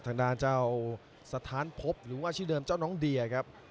ทางด้านเจ้าสถานพบหรือว่าชื่อเดิมเจ้าน้องเดียครับ